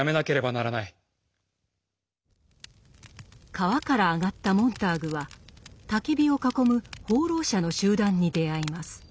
川から上がったモンターグはたき火を囲む放浪者の集団に出会います。